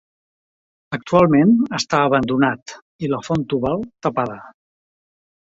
Actualment està abandonat i la font Tubal, tapada.